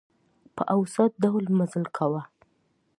په اوسط ډول مزل کاوه.